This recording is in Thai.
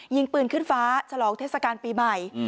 ยิงปืนขึ้นฟ้าฉลองเทศกาลปีใหม่